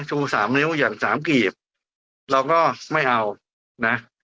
ชูสามนิ้วอย่างสามกีบเราก็ไม่เอานะ